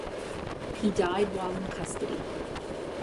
He died while in custody.